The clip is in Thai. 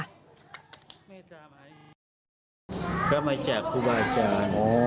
ก็มาแจกครูบาอาจารย์